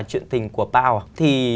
chuyện tình của pao thì